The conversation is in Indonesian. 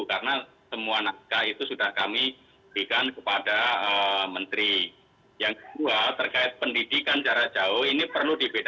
karena semua naskah itu sudah kami berikan kepada menteri